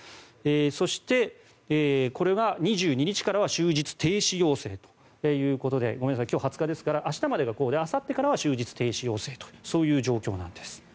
そして、これは２２日からは終日停止要請ということで今日２０日ですから明日まではこうであさってからはそういう状況なんです。